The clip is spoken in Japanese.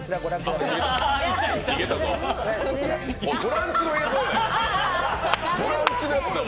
ブランチの映像やないか！